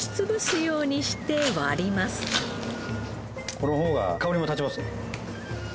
このほうが香りも立ちます。